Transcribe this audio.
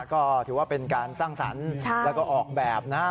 ก็ถือว่าเป็นการสร้างสรรค์แล้วก็ออกแบบนะฮะ